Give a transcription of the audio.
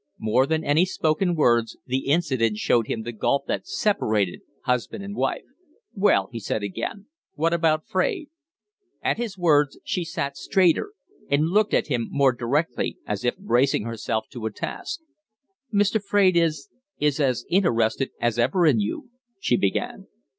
More than any spoken words, the incident showed him the gulf that separated husband and wife. "Well?" he said again, "what about Fraide?" At his words she sat straighter and looked at him more directly, as if bracing herself to a task. "Mr. Fraide is is as interested as ever in you," she began.